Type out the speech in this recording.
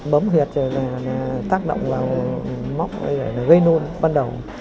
bấm huyệt rồi là tác động vào móc gây nôn bắt đầu